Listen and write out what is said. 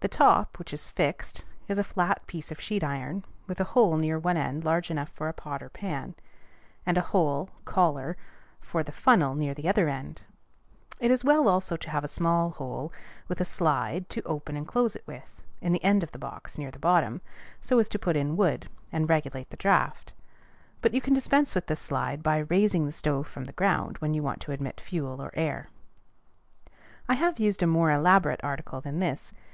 The top, which is fixed, is a flat piece of sheet iron, with a hole near one end large enough for a pot or pan, and a hole (collar) for the funnel near the other end. It is well also to have a small hole, with a slide to open and close it with, in the end of the box near the bottom, so as to put in wood, and regulate the draught; but you can dispense with the slide by raising the stove from the ground when you want to admit fuel or air. I have used a more elaborate article than this.